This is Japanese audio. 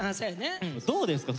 どうですか？